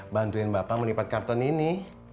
bantuin bapak menipat karton ini